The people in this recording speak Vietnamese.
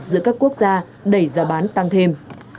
giữa các quốc gia đẩy giá bán tăng thêm